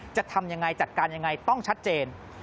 จะทำอย่างไรจัดการอย่างไรต้องชัดเจน